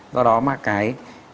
do đó mà cái